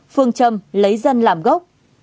phương châm lấy dân làm gốc